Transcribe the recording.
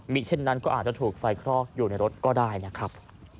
มีเช่นนั้นก็อาจจะถูกไฟคลอกอยู่ในรถก็ได้นะครับ